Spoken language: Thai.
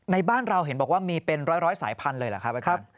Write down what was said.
ในบ้านเราเห็นบอกว่ามีเป็นร้อยสายพันธุ์เลยเหรอครับ